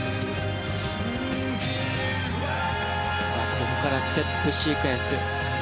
ここからステップシークエンス。